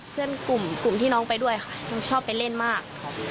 เพื่อนกลุ่มที่น้องไปด้วยค่ะชอบไปเล่นมาก